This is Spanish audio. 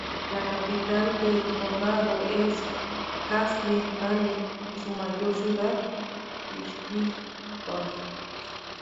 La capital del condado es Castle Dale y su mayor ciudad Huntington.